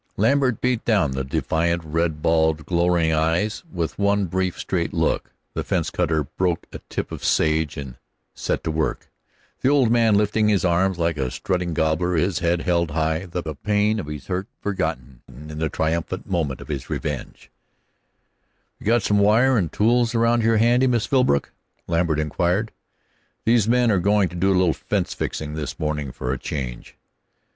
Lambert beat down the defiant, red balled glowering eyes with one brief, straight look. The fence cutter broke a tip of sage and set to work, the old man lifting his arms like a strutting gobbler, his head held high, the pain of his hurt forgotten in the triumphant moment of his revenge. "Have you got some wire and tools around here handy, Miss Philbrook?" Lambert inquired. "These men are going to do a little fence fixin' this morning for a change."